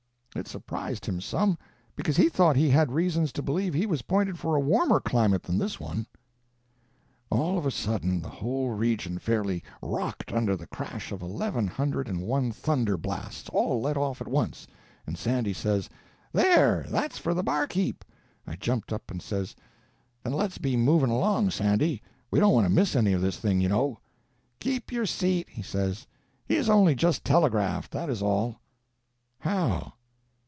It surprised him some, because he thought he had reasons to believe he was pointed for a warmer climate than this one." All of a sudden the whole region fairly rocked under the crash of eleven hundred and one thunder blasts, all let off at once, and Sandy says,— "There, that's for the barkeep." I jumped up and says,— "Then let's be moving along, Sandy; we don't want to miss any of this thing, you know." "Keep your seat," he says; "he is only just telegraphed, that is all." "How?"